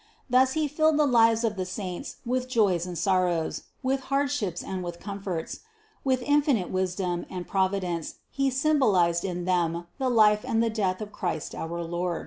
Thus he filled the lives of the saints with joys and sorrows, with hardships and with comforts; with infinite wisdom and providence He symbolized in them the life and the death of Christ our Lord.